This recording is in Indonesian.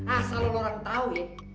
asal lo orang tau ya